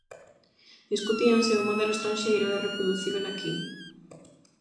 Discutían se o modelo estranxeiro é reproducíbel aquí.